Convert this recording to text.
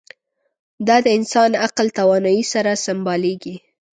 دا د انسان عقل توانایۍ سره سمبالېږي.